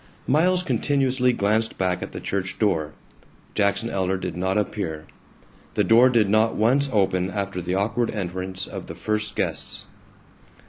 Miles continuously glanced back at the church door. Jackson Elder did not appear. The door did not once open after the awkward entrance of the first guests.